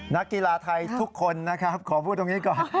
นักกีฬาไทยทุกคนนะครับขอพูดตรงนี้ก่อน